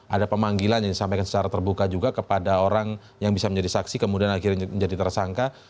ada pemanggilan yang disampaikan secara terbuka juga kepada orang yang bisa menjadi saksi kemudian akhirnya menjadi tersangka